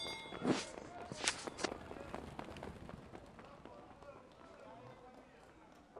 Desemboca en el río Yi, atravesando un área ganadera predominantemente bovina.